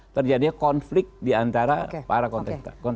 terjadinya konflik diantara para kontektor